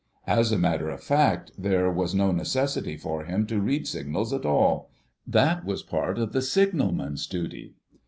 As a matter of fact, there was no necessity for him to read signals at all: that was part of the signalman's duty.